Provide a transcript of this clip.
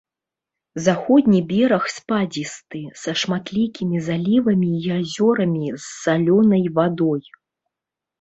Заходні бераг спадзісты, са шматлікімі залівамі і азёрамі з салёнай вадой.